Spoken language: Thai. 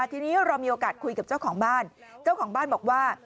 ทีนี้เรามีโอกาสคุยกับเจ้าของบ้านเจ้าของบ้านบอกว่า